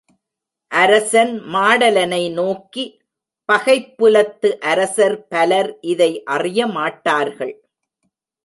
அரசன் மாடலனை நோக்கி, பகைப்புலத்து அரசர் பலர் இதை அறியமாட்டார்கள்.